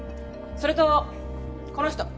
それとこの人。